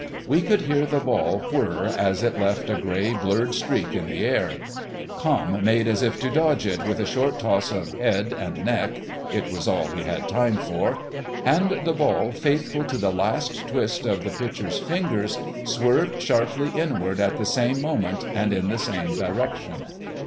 We could hear the ball whir as it left a grey blurred streak in the air. Camme made as if to dodge it with a short toss of head and neck—it was all he had time for—and the ball, faithful to the last twist of the pitcher's fingers, swerved sharply inward at the same moment and in the same direction.